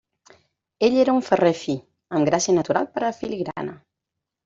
Ell era un ferrer fi, amb gràcia natural per a la filigrana.